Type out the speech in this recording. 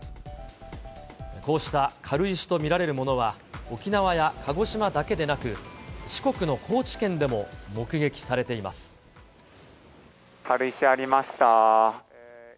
こうした軽石と見られるものは、沖縄や鹿児島だけでなく、四国の軽石ありました。